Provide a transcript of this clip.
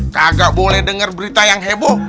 kagak boleh denger berita yang heboh